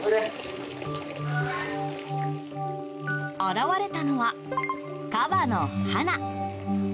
現れたのは、カバのハナ。